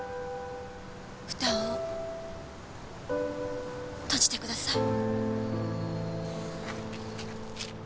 フタを閉じてください。